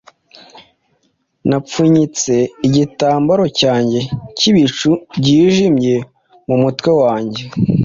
Napfunyitse igitambaro cyanjye cy'ibicu byijimye mu mutwe wanjye,